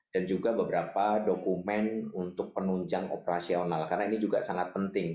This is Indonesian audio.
dan juga beberapa dokumen untuk penunjang operasional karena ini juga sangat penting